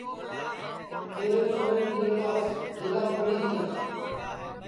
تیرے چھورین گیلولاس ڈؔیلا پھوڑی دؔیا